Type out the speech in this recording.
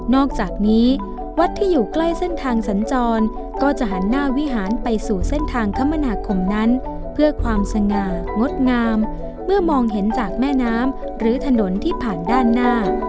จากนี้วัดที่อยู่ใกล้เส้นทางสัญจรก็จะหันหน้าวิหารไปสู่เส้นทางคมนาคมนั้นเพื่อความสง่างดงามเมื่อมองเห็นจากแม่น้ำหรือถนนที่ผ่านด้านหน้า